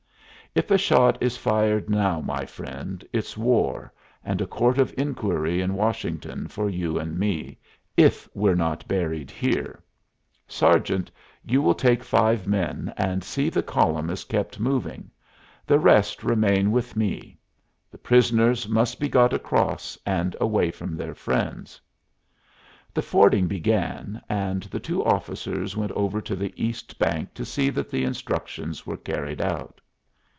"If a shot is fired now, my friend, it's war, and a court of inquiry in Washington for you and me, if we're not buried here. Sergeant, you will take five men and see the column is kept moving. The rest remain with me. The prisoners must be got across and away from their friends." The fording began, and the two officers went over to the east bank to see that the instructions were carried out.